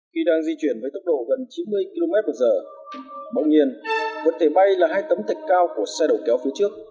khi đang di chuyển với tốc độ gần chín mươi kmh bỗng nhiên vật thể bay là hai tấm thạch cao của xe đổ kéo phía trước